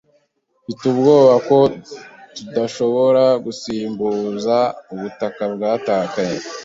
Mfite ubwoba ko tudashobora gusimbuza ubutaka bwatakaye.